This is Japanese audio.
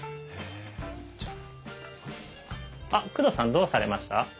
あっ工藤さんどうされました？